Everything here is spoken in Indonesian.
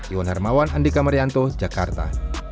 iwan hermawan andika marianto jakarta